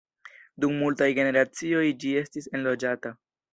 Dum multaj generacioj ĝi estis enloĝata.